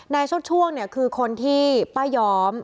ชดช่วงเนี่ยคือคนที่ป้าย้อม